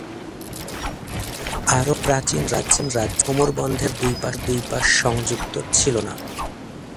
আরও অনেক প্রাচীন রাজ্যে কোমরবন্ধের দুই পাশ সংযুক্ত ছিল না।